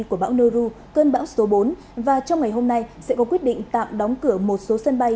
của bão neru cơn bão số bốn và trong ngày hôm nay sẽ có quyết định tạm đóng cửa một số sân bay